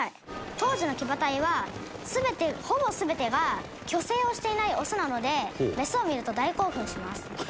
当時の騎馬隊は全てほぼ全てが去勢をしていないオスなのでメスを見ると大興奮します。